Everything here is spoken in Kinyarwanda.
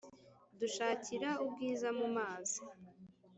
dushakira ubwiza mu mazi